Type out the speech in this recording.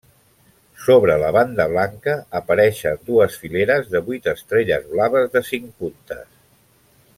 Sobre la banda blanca apareixen dues fileres de vuit estrelles blaves de cinc puntes.